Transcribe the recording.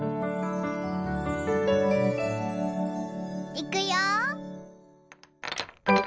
いくよ。